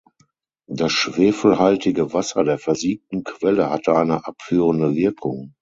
Das schwefelhaltige Wasser der versiegten Quelle hatte eine abführende Wirkung.